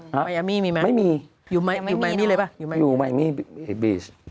มายามีมีไหมยังไม่มีหรออยู่มายามีบีช